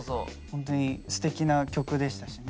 ホントにすてきな曲でしたしね。